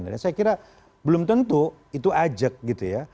saya kira belum tentu itu ajak gitu ya